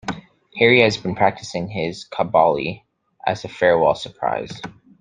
Harry has been practicing his Kobali as a farewell surprise.